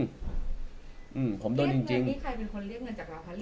เรียกเงินนี้ใครเป็นคนเรียกเงินจากเราคะ